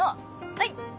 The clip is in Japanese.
はい！